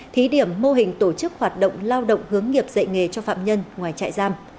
thí điểm mô hình tổ chức hoạt động lao động hướng nghiệp dạy nghề cho phạm nhân ngoài trại giam